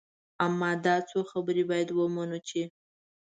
اما دا څو خبرې باید ومنو چې.